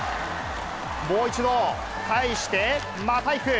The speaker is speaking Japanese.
もう一度返してまたいく。